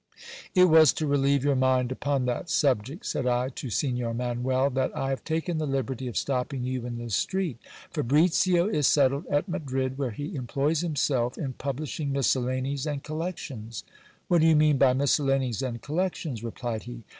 It was to relieve your mind upon that subject, said I to Signor Manuel, that I have taken the liberty of stopping you in the street Fabricio is settled at Madrid, where he employs himself in publishing miscellanies and collections. What do you mean by miscellanies and collections? replied he.